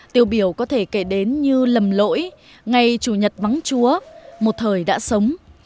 tiêu biểu có thể kể đến như lầm lỗi ngày chủ nhật vắng chúa một thời đã sống